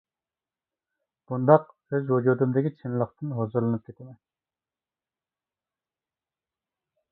بۇنداق ئۆز ۋۇجۇدۇمدىكى چىنلىقتىن ھۇزۇرلىنىپ كېتىمەن.